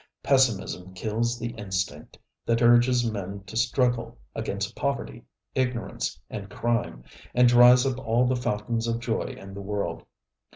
Pessimism kills the instinct that urges men to struggle against poverty, ignorance and crime, and dries up all the fountains of joy in the world.